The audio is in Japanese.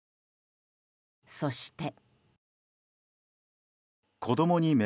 そして。